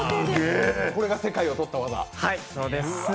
これが世界を取った技。